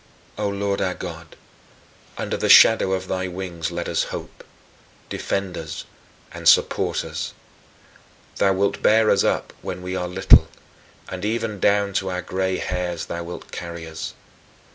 O Lord our God, under the shadow of thy wings let us hope defend us and support us. Thou wilt bear us up when we are little and even down to our gray hairs thou wilt carry us.